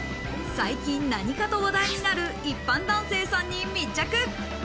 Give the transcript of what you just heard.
最近何かと話題になる一般男性さんに密着。